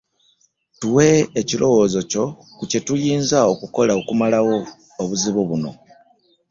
Tuwe ekirowoozo kyo ku kye tuyinza okukola okumalawo obuzibu buno.